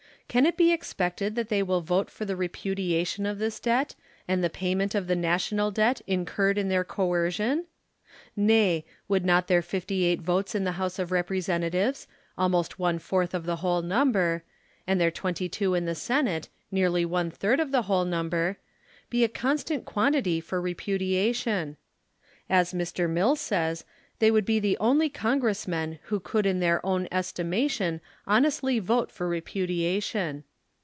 Can it be expected that they will vote for the repudiation of this debt and the payment of the I^Tational debt, incurred in their coercion ? Nay, would not their fiftj' eight votes in the House of Rep resentatives, almost one fourth of the whole number, and their twenty two in the Senate, nearly one third of the whole number, be a constant quantity for repudiation. As Mr. Mill says, they would be the only Congressmen who could in their own estimation honestly vote for repu diation.